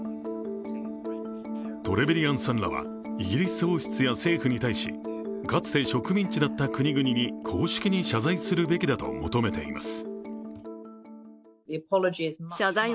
トレベリアンさんらはイギリス王室や政府に対し、かつて植民地だった国々に公式に謝罪するべきだと求めています。